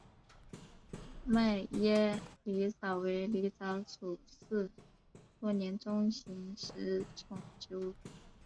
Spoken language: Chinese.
迈耶狸藻为狸藻属似多年中型食虫植物。